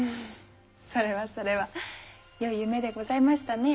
それはそれはよい夢でございましたねぇ。